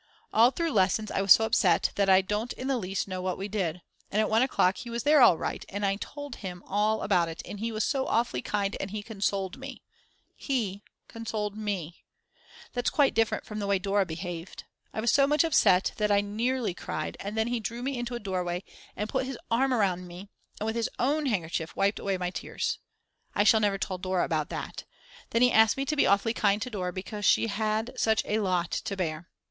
All through lessons I was so upset that I don't in the least know what we did. And at 1 o'clock he was there all right, and I told him all about it and he was so awfully kind and he consoled me; he consoled me. That's quite different from the way Dora behaved. I was so much upset that I nearly cried, and then he drew me into a doorway and put his arm round me and with his own handkerchief wiped away my tears. I shall never tell Dora about that. Then he asked me to be awfully kind to Dora because she had such a lot to bear.